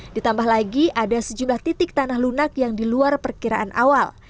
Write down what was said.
ditambah lagi ada sejumlah titik tanah lunak yang di luar perkiraan awal